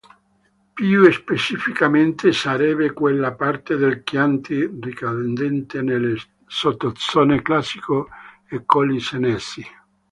Più specificamente sarebbe quella parte del Chianti ricadente nelle sottozone Classico e Colli Senesi.